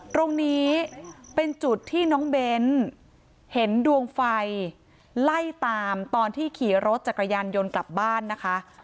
ตรงนี้เป็นจุดที่น้องเบ้นเห็นดวงไฟไล่ตามตอนที่ขี่รถจักรยานยนต์กลับบ้านนะคะ